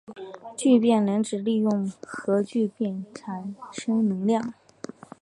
聚变能指利用核聚变产生能量。